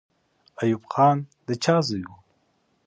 ایوب خان د چا زوی وو؟